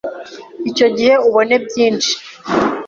icyo gihe ubone byinshi,